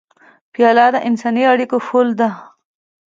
پیاله د انساني اړیکو پُل ده.